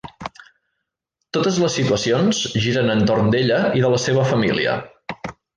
Totes les situacions giren entorn d'ella i de la seva família.